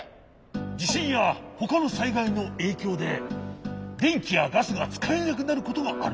じしんやほかのさいがいのえいきょうででんきやガスがつかえなくなることがある。